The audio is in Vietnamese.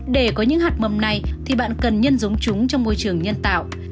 để có những hạt mầm này thì bạn cần nhân giống chúng trong môi trường nhân tạo